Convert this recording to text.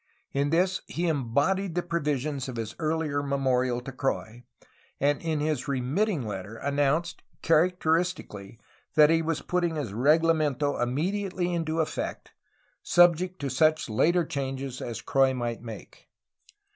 In this he embodied the provisions of his earlier memorial to Croix, and in his remitting letter an nounced, characteristically, that he was putting his regla COMMANDANCY GENERAL OF FRONTIER PROVINCES 327 mento immediately into effect, subject to such later changes as Croix might make.